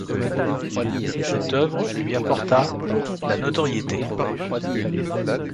Cette œuvre lui apporta la notoriété.